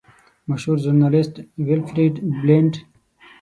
مشهور ژورنالیسټ ویلفریډ بلنټ.